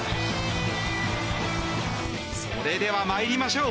それでは参りましょう。